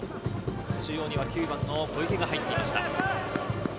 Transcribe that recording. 中央には９番の小池が入っていました。